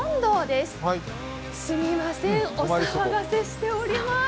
すみません、お騒がせしております